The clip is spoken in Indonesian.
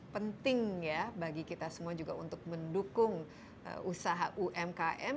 penting ya bagi kita semua juga untuk mendukung usaha umkm